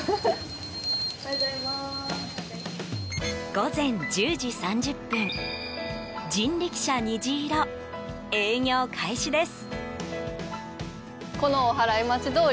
午前１０時３０分人力車にじいろ、営業開始です。